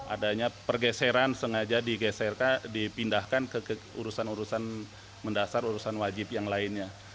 adanya pergeseran sengaja digeserkan dipindahkan ke urusan urusan mendasar urusan wajib yang lainnya